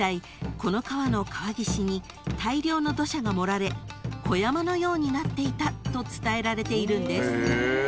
この川の川岸に大量の土砂が盛られ小山のようになっていたと伝えられているんです］